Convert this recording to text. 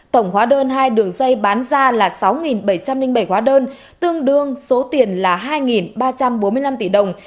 tổng hóa đơn hai đường dây bán ra là sáu bảy trăm linh bảy hóa đơn tương đương số tiền là hai ba trăm bốn mươi năm tỷ đồng